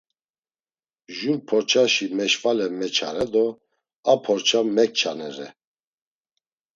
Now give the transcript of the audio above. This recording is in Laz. Jur porçaşi meşvale meçare do a porça mekçanere.